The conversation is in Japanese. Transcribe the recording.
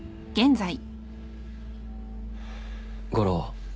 悟郎。